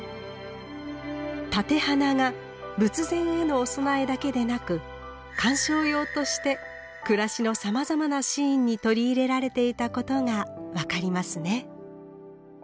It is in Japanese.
立て花が仏前へのお供えだけでなく鑑賞用として暮らしのさまざまなシーンに取り入れられていたことが分かりますね。